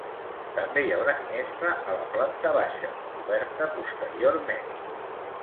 També hi ha una finestra a la planta baixa, oberta posteriorment.